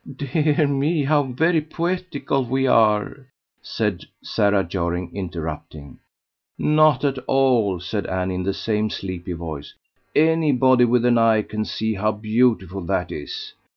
"Dear me, how very poetical we are!" said Sarah Jorring interrupting. "Not at all," said Annie in the same sleepy voice. "Anybody with an eye can see how beautiful that is.